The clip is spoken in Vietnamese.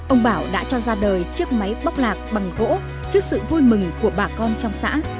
ông bảo đã cho ra đời chiếc máy bóc lạc bằng gỗ trước sự vui mừng của bà con